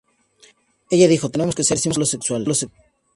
Ella dijo: "Tenemos que ser símbolos sexuales.